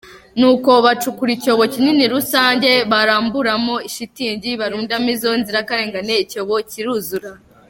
Nuko bacukura icyobo kinini rusanjye baramburamo shitingi, barundamo izo nzirakarengane icyobo kiruzura.